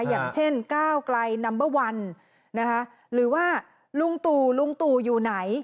อย่างเช่นเก้ากลายนัมเบอร์วันหรือว่าลุงตูลุงตูอยู่ไหน